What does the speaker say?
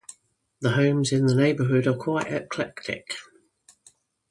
The homes in the neighborhood are quite eclectic.